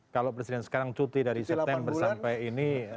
kalau presiden sekarang cuti dari september sampai ini